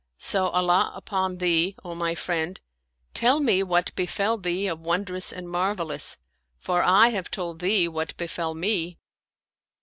So, Allah upon thee, O my friend, tell me what befell thee of wondrous and marvelous, for I have told thee what befell me."